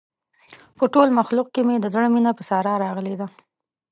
په ټول مخلوق کې مې د زړه مینه په ساره راغلې ده.